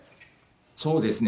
そうですね。